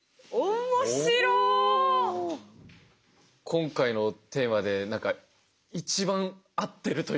今回のテーマで一番合ってるというか。